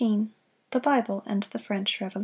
15. THE BIBLE AND THE FRENCH REVOLUTION.